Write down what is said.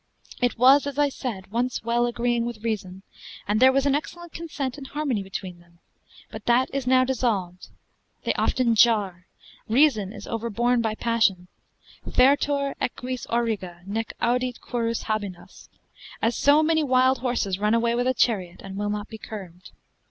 It was (as I said) once well agreeing with reason, and there was an excellent consent and harmony between them, but that is now dissolved, they often jar, reason is overborne by passion: Fertur equis auriga, nec audit currus habenas, as so many wild horses run away with a chariot, and will not be curbed.